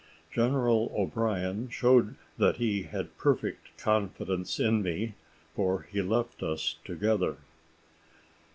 General O'Brien showed that he had perfect confidence in me, for he left us together.